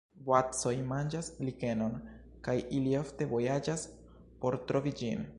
Boacoj manĝas likenon kaj ili ofte vojaĝas por trovi ĝin.